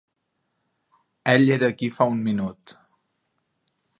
Ella era aquí fa un minut.